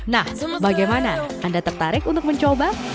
nah bagaimana anda tertarik untuk mencoba